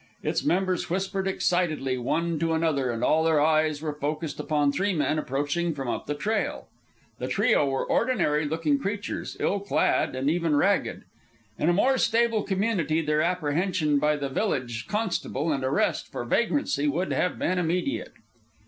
Its members whispered excitedly one to another, and all their eyes were focussed upon three men approaching from up the trail. The trio were ordinary looking creatures, ill clad and even ragged. In a more stable community their apprehension by the village constable and arrest for vagrancy would have been immediate.